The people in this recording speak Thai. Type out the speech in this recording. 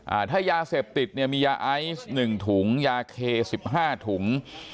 อ่าถ้ายาเสพติดเนี่ยมียาไอซ์หนึ่งถุงยาเคสิบห้าถุง